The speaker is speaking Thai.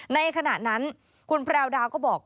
ในขณะนั้นคุณแพรวดาวก็บอก